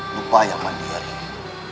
lupa ayah mandi hari ini